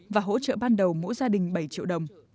và hỗ trợ ban đầu mỗi gia đình bảy triệu đồng